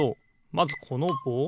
まずこのぼう。